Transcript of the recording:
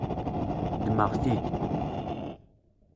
Ddmeɣ-t-id.